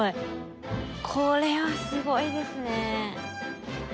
これはすごいですね。